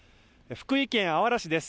福井県あわら市です。